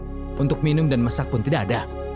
makanan untuk minum dan masak pun tidak ada